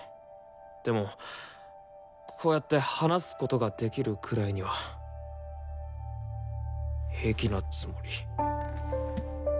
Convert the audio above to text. でもこうやって話すことができるくらいには平気なつもり。